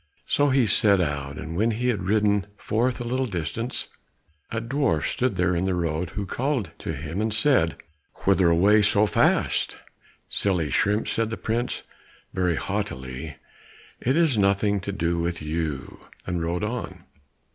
So he set out, and when he had ridden forth a little distance, a dwarf stood there in the road who called to him and said, "Whither away so fast?" "Silly shrimp," said the prince, very haughtily, "it is nothing to do with you," and rode on.